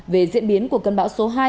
về diễn biến của cân bão số hai